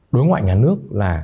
đối ngoại nhà nước